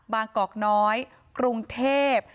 กอกน้อยกรุงเทพ